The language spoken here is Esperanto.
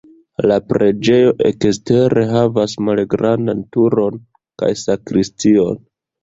La preĝejo ekstere havas malgrandan turon kaj sakristion.